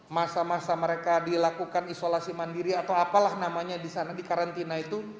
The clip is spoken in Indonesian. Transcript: masa masa mereka dilakukan isolasi mandiri atau apalah namanya di sana di karantina itu